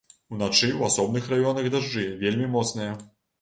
Уначы ў асобных раёнах дажджы вельмі моцныя.